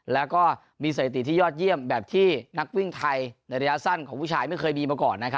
แล้วก็มีสถิติที่ยอดเยี่ยมแบบที่นักวิ่งไทยในระยะสั้นของผู้ชายไม่เคยมีมาก่อน